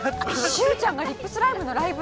柊ちゃんがリップスライムのライブ！？